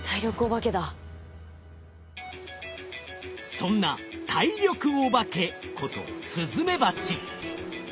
そんな「体力おばけ」ことスズメバチ。